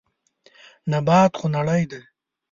نبات خوړنی دی.